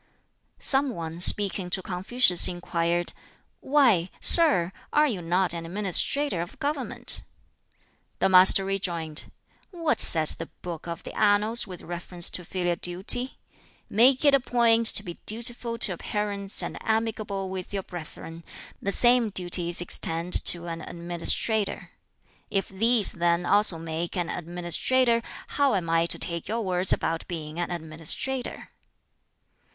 Some one, speaking to Confucius, inquired, "Why, sir, are you not an administrator of government?" The Master rejoined, "What says the 'Book of the Annals,' with reference to filial duty? 'Make it a point to be dutiful to your parents and amicable with your brethren; the same duties extend to an administrator.' If these, then, also make an administrator, how am I to take your words about being an administrator?"